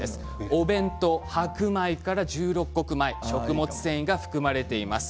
お弁当、白米から十六穀米食物繊維が含まれています。